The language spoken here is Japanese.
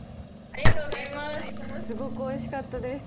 すごくおいしかったです。